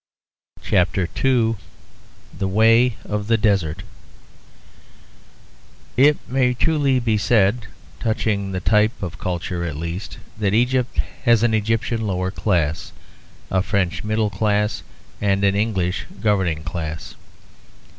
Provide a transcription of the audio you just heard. CHAPTER II THE WAY OF THE DESERT It may truly be said, touching the type of culture at least, that Egypt has an Egyptian lower class, a French middle class and an English governing class.